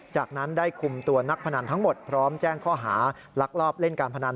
จากนั้นได้คุมตัวนักพนันทั้งหมดพร้อมแจ้งข้อหาลักลอบเล่นการพนัน